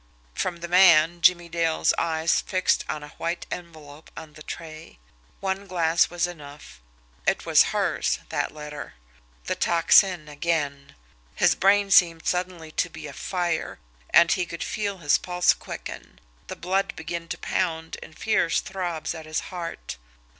From the man, Jimmie Dale's eyes fixed on a white envelope on the tray. One glance was enough it was HERS, that letter. The Tocsin again! His brain seemed suddenly to be afire, and he could feel his pulse quicken, the blood begin to pound in fierce throbs at his heart.